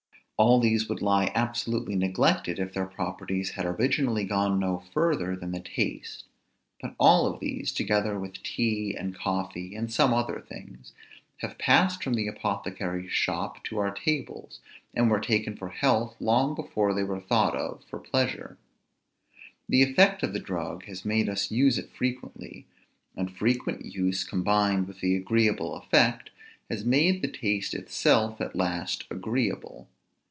All of these would lie absolutely neglected if their properties had originally gone no further than the taste; but all these, together with tea and coffee, and some other things, have passed from the apothecary's shop to our tables, and were taken for health long before they were thought of for pleasure. The effect of the drug has made us use it frequently; and frequent use, combined with the agreeable effect, has made the taste itself at last agreeable.